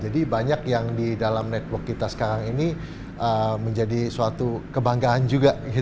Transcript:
jadi banyak yang di dalam network kita sekarang ini menjadi suatu kebanggaan juga